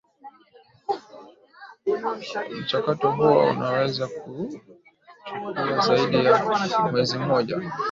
mchakato huo unaweza kuchukua zaidi ya mwezi mmoja